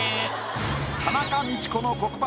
田中道子の黒板